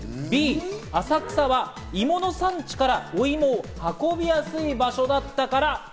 Ｂ、浅草は芋の産地からお芋を運びやすい場所だったから。